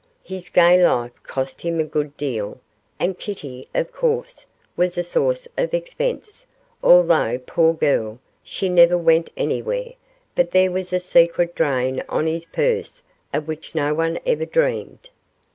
His gay life cost him a good deal, and Kitty, of course, was a source of expense, although, poor girl, she never went anywhere; but there was a secret drain on his purse of which no one ever dreamed.